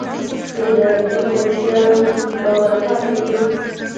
چې د اتریشیانو په ولقه کې وه.